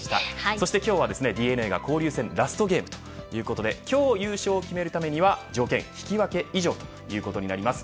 そして今日はＤｅＮＡが交流戦ラストゲームということで今日優勝を決めるためには条件は引き分け以上ということになります。